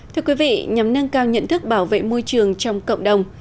thưa quý vị nhằm nâng cao nhận thức bảo vệ môi trường trong cộng đồng